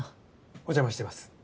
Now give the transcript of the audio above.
お邪魔してます。